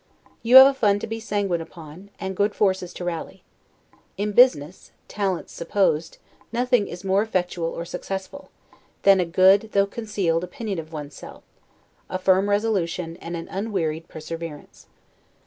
You have a fund to be sanguine upon, and good forces to rally. In business (talents supposed) nothing is more effectual or successful, than a good, though concealed opinion of one's self, a firm resolution, and an unwearied perseverance.